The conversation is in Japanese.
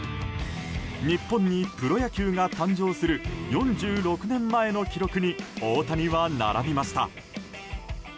日本にプロ野球が誕生する４６年前の記録に大谷は並びました。